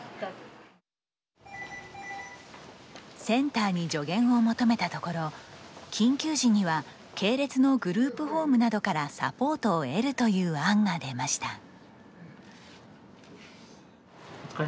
センターに助言を求めたところ緊急時には系列のグループホームなどからサポートを得るという案が出ました。